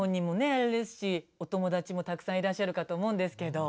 あれですしお友達もたくさんいらっしゃるかと思うんですけど。